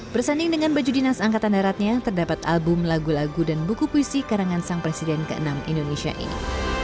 bersanding dengan baju dinas angkatan daratnya terdapat album lagu lagu dan buku puisi karangan sang presiden ke enam indonesia ini